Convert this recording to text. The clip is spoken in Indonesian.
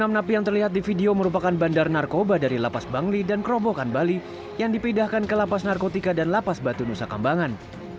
enam napi yang terlihat di video merupakan bandar narkoba dari lapas bangli dan kerobokan bali yang dipindahkan ke lapas narkotika dan lapas batu nusa kambangan